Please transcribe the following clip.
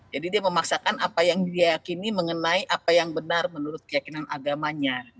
jadi dia memaksakan apa yang diyakini mengenai apa yang benar menurut keyakinan agamanya